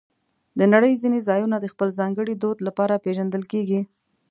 د نړۍ ځینې ځایونه د خپل ځانګړي دود لپاره پېژندل کېږي.